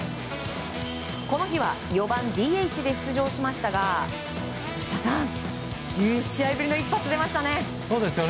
この日は４番ＤＨで出場しましたが古田さん１０試合ぶりの一発出ましたね。